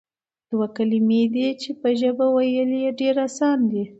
دوه کلمې دي چې په ژبه ويل ئي ډېر آسان دي،